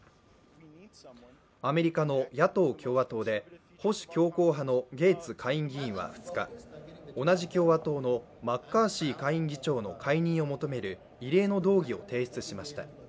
アメリカの野党・共和党で保守強硬派のゲーツ下院議員は２日、同じ共和党のマッカーシー下院議長の解任を求める異例の動議を提出しました。